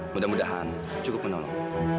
mudah mudahan cukup menolong